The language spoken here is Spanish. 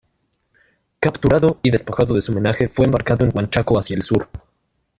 Capturado y despojado de su menaje, fue embarcado en Huanchaco hacia el sur.